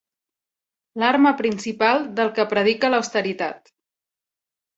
L'arma principal del que predica l'austeritat.